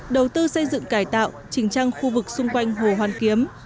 đầu tư xây dựng cải tạo chỉnh trang khu vực xung quanh hồ hoàn kiếm